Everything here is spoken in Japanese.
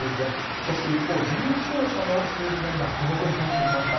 そして一方、重症者の数字が今、手元に入ってきました。